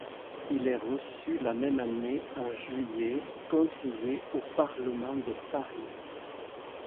Il est reçu la même année en juillet Conseiller au Parlement de Paris.